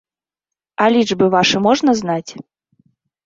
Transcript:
А лічбы вашы можна знаць?